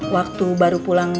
waktu baru pulang